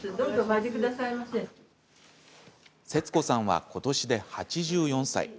節子さんは今年で８４歳。